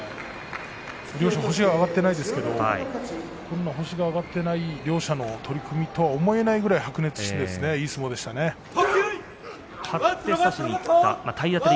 両者星が挙がっていませんが星が挙がっていない両者の取組と思えないぐらい白熱したいい相撲でした。